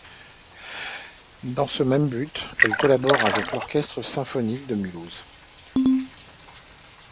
Dans ce même but, elle collabore avec l'Orchestre symphonique de Mulhouse.